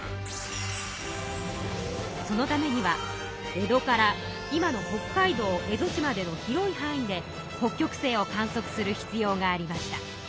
そのためには江戸から今の北海道蝦夷地までの広いはん囲で北極星を観測する必要がありました。